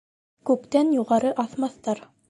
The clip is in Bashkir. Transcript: Күктән юғары аҫмаҫтар